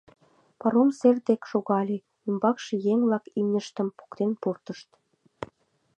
Паром сер дек шогале, ӱмбакше еҥ-влак имньыштым поктен пуртышт.